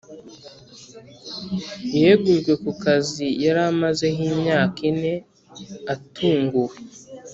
Yegujwe kukazi yari amazeho imyaka ine atunguwe